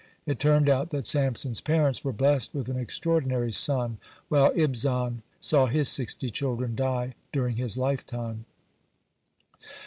It turned out that Samson's parents were blessed with an extraordinary son, while Ibzan saw his sixty children die during his lifetime.